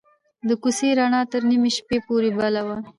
د کوڅې رڼا تر نیمې شپې پورې بل وه.